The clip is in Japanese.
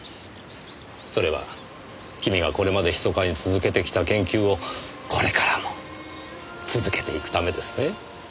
それは君がこれまで密かに続けてきた研究をこれからも続けていくためですね？